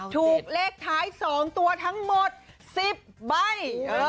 ถูกเลขท้าย๒ตัวทั้งหมด๑๐ใบ